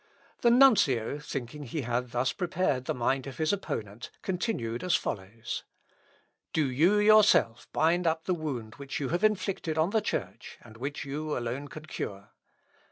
The nuncio, thinking he had thus prepared the mind of his opponent, continued as follows: "Do you yourself bind up the wound which you have inflicted on the Church, and which you alone can cure."